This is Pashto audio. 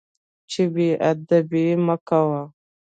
چې بې ادبي مه کوه.